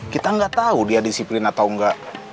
kita gak tau dia disiplin atau enggak